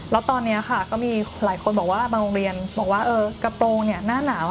แล้วตอนนี้ค่ะก็มีหลายคนบอกว่าบางโรงเรียนบอกว่ากระโปรงหน้าหนาว